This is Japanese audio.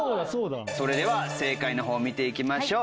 それでは正解のほう見ていきましょう。